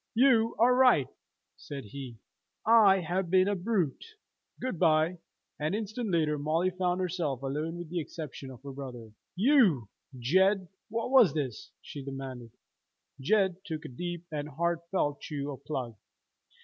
"You are right!" said he. "I have been a brute! Good by!" An instant later Molly found herself alone with the exception of her brother. "You, Jed, what was this?" she demanded. Jed took a deep and heartfelt chew of plug.